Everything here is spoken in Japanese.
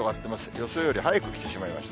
予想より早く来てしまいました。